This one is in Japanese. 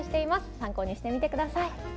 参考にしてみてください。